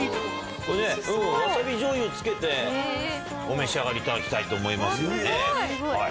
これねワサビじょうゆつけてお召し上がりいただきたいと思いますがねはい。